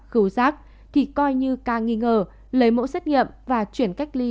cứu giác thì coi như ca nghi ngờ lấy mẫu xét nghiệm và chuyển cách ly